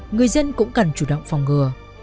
người dân cũng cần chủ động phòng ngừa